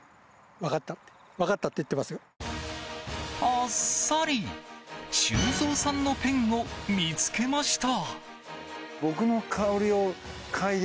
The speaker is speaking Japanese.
あっさり修造さんのペンを見つけました。